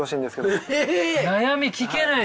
悩み聞けないですよ。